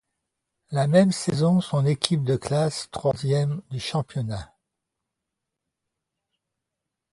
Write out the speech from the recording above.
La même saison, son équipe de classe troisième du championnat.